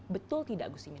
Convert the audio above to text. betul tidak gus imin